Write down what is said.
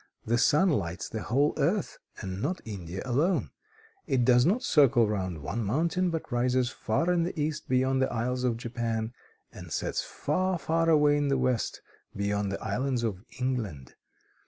The sun lights the whole earth, and not India alone. It does not circle round one mountain, but rises far in the East, beyond the Isles of Japan, and sets far, far away in the West, beyond the islands of England.